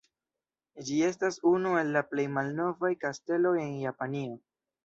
Ĝi estas unu el la plej malnovaj kasteloj en Japanio.